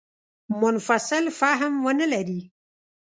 منفصل فهم ونه لري.